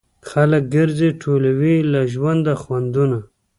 خلک ګرځي ټولوي له ژوند خوندونه